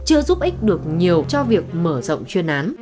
chưa giúp ích được nhiều cho việc mở rộng chuyên án